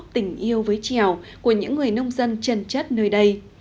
tình yêu với trèo của những người nông dân chân chất nơi đây